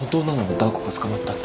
ダー子が捕まったって。